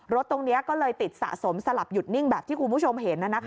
รถตรงนี้ก็เลยติดสะสมสลับหยุดนิ่งแบบที่คุณผู้ชมเห็น